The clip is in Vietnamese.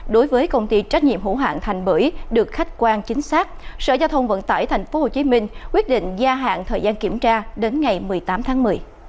đối với công ty trách nhiệm hữu hạng thành bưởi được khách quan chính xác sở giao thông vận tải tp hcm quyết định gia hạn thời gian kiểm tra đến ngày một mươi tám tháng một mươi